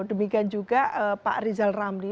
demikian juga pak rizal ramli